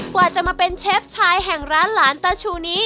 กว่าจะมาเป็นเชฟชายแห่งร้านหลานตาชูนี้